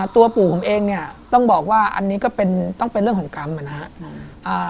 ตัวปู่ผมเองเนี่ยต้องบอกว่าอันนี้ก็ต้องเป็นเรื่องของกรรมนะครับ